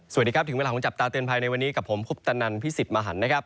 สวัสดีครับถึงเวลาของจับตาเตือนภัยในวันนี้กับผมคุปตนันพิสิทธิ์มหันนะครับ